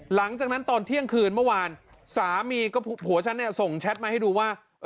หลังจากนั้นตอนเที่ยงคืนเมื่อวานสามีก็ผัวฉันเนี่ยส่งแชทมาให้ดูว่า